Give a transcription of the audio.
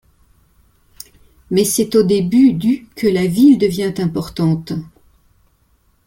Mais c'est au début du que la ville devient importante.